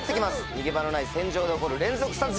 逃げ場のない船上で起こる連続殺人。